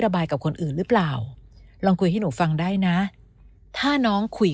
บายกับคนอื่นหรือเปล่าลองคุยให้หนูฟังได้นะถ้าน้องคุย